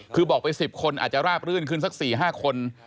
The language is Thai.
คือบอกไป๑๐คนอาจจะราบรื่นขึ้นสัก๔๕คน